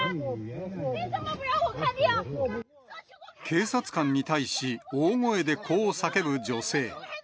警察官に対し、大声でこう叫ぶ女性。